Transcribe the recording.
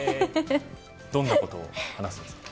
どんなことを話すんですか。